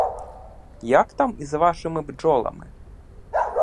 Як там із вашими бджолами?